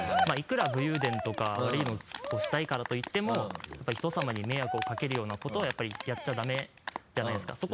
いくら武勇伝とか悪いことをしたいからと言ってもやっぱり人さまに迷惑をかけるようなことはやっぱりやっちゃダメじゃないですか。